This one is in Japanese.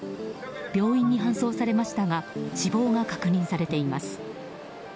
病院に搬送されましたが死亡が確認されています。